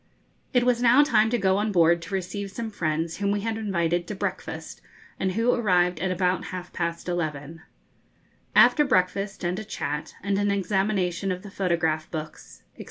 It was now time to go on board to receive some friends whom we had invited to breakfast, and who arrived at about half past eleven. [Illustration: A Tahitian Lady.] After breakfast, and a chat, and an examination of the photograph books, &c.